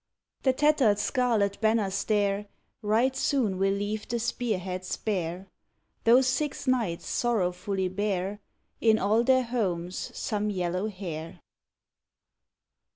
The tatter'd scarlet banners there, Right soon will leave the spear heads bare. Those six knights sorrowfully bear, In all their heaumes some yellow hair.